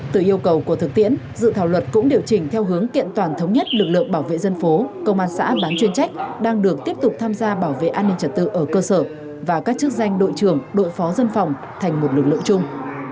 từ yêu cầu của thực tiễn dự thảo luật cũng điều chỉnh theo hướng kiện toàn thống nhất lực lượng bảo vệ dân phố công an xã bán chuyên trách đang được tiếp tục tham gia bảo vệ an ninh trật tự ở cơ sở và các chức danh đội trưởng đội phó dân phòng thành một lực lượng chung